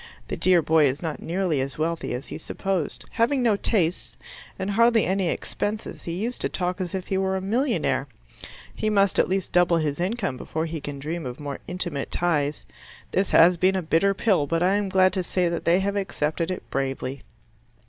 The dear boy is not nearly as wealthy as he supposed; having no tastes, and hardly any expenses, he used to talk as if he were a millionaire. He must at least double his income before he can dream of more intimate ties. This has been a bitter pill, but I am glad to say that they have accepted it bravely.